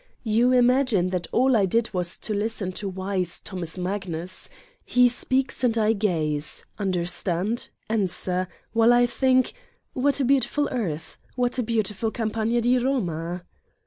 You imagine that all I did was to listen to wise Thomas Magnus. He speaks and I gaze, under stand, answer, while I think: what a beautiful earth, what a beautiful Campagna di Eoma!